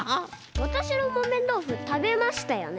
わたしのもめんどうふたべましたよね？